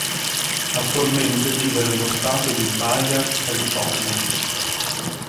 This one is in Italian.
Attualmente vive nello stato di Baja California.